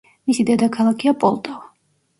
მისი დედაქალაქია პოლტავა.